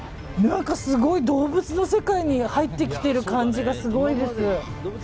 何かすごい動物の世界に入ってきている感じがすごいです。